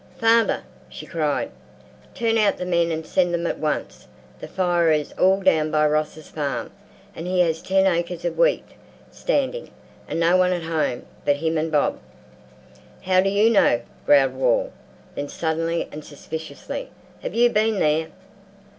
"Father," she cried, "turn out the men and send them at once. The fire is all down by Ross's farm, and he has ten acres of wheat standing, and no one at home but him and Bob." "How do you know?" growled Wall. Then suddenly and suspiciously, "Have you been there?"